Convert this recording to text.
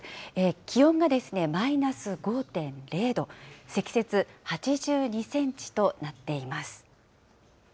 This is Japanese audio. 気温がマイナス５．０度、積雪８２センチとなっています。